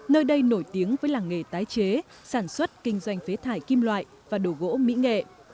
nơi đây nổi tiếng với làng nghề tái chế sản xuất kinh doanh phế thải kim loại và đồ gỗ mỹ nghệ